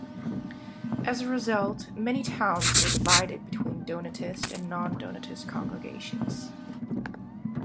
As a result, many towns were divided between Donatist and non-Donatist congregations.